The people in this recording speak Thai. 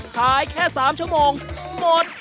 แค่๓ชั่วโมงหมด